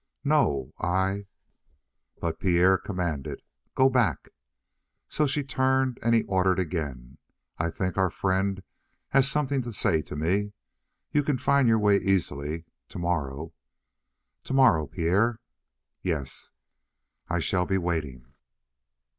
"No I " But Pierre commanded: "Go back." So she turned, and he ordered again: "I think our friend has something to say to me. You can find your way easily. Tomorrow " "Tomorrow, Pierre?" "Yes." "I shall be waiting."